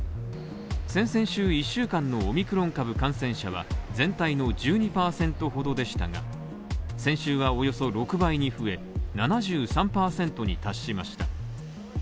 先々週１週間のオミクロン株感染者は全体の１２％ほどでしたが先週はおよそ６倍に増え、７３％に達しました。